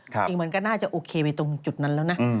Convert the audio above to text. จริงมันก็น่าจะโอเคไปตรงจุดนั้นแล้วนะ